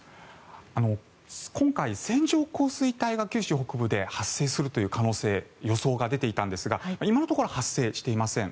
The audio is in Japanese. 今回、線状降水帯が九州北部で発生するという可能性予想が出ていたんですが今のところ発生していません。